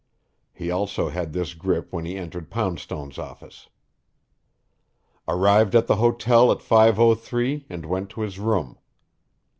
He also had this grip when he entered Poundstone's office. Arrived at the hotel at 5:03 and went to his room.